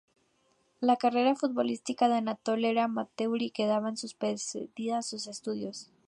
La carrera futbolística de Anatol era "amateur" y quedaba supeditada a sus estudios.